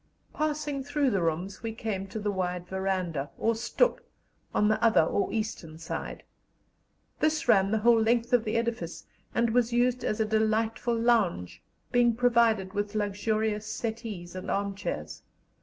Passing through the rooms, we came to the wide verandah, or stoep, on the other or eastern side. This ran the whole length of the edifice, and was used as a delightful lounge, being provided with luxurious settees and armchairs.